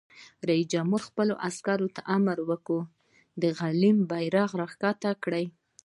رئیس جمهور خپلو عسکرو ته امر وکړ؛ د غلیم بیرغ راکښته کړئ!